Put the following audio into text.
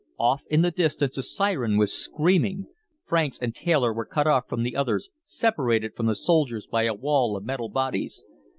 Off in the distance a siren was screaming. Franks and Taylor were cut off from the others, separated from the soldiers by a wall of metal bodies.